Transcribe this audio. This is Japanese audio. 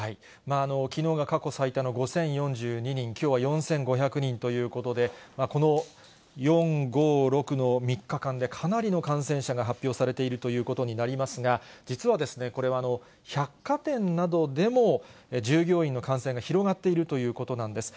きのうが過去最多の５０４２人、きょうは４５００人ということで、この４、５、６の３日間でかなりの感染者が発表されているということになりますが、実は、これは百貨店などでも従業員の感染が広がっているということなんです。